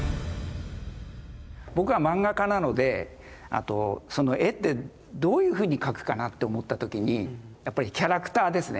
僕は漫画家なので絵ってどういうふうに描くかなって思った時にやっぱりキャラクターですね。